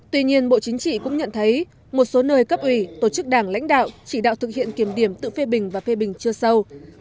tuy nhiên bộ chính trị cũng nhận thấy một số nơi cấp ủy tổ chức đảng lãnh đạo chỉ đạo thực hiện kiểm điểm tự phê bình và phê bình chưa sâu